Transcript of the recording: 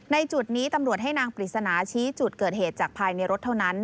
จุดนี้ตำรวจให้นางปริศนาชี้จุดเกิดเหตุจากภายในรถเท่านั้น